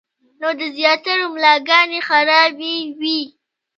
نو د زياترو ملاګانې خرابې وي -